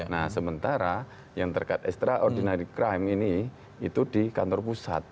nah sementara yang terkait extraordinary crime ini itu di kantor pusat